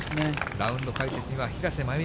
ラウンド解説には平瀬真由美